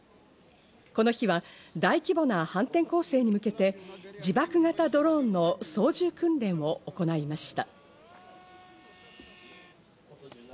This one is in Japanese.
この日は大規模な反転攻勢に向けて自爆型ドローンの操縦訓練を行いました。